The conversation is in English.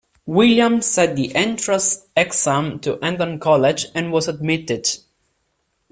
William sat the entrance exam to Eton College and was admitted.